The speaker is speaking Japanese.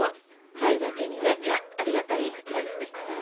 「鯛」だけにねありが「たい」？